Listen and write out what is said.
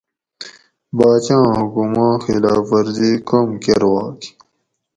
باچاں حکماں خلاف ورزی کم کۤرواگ